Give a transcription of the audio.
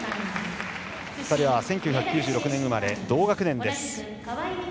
２人は１９９６年生まれ同学年です。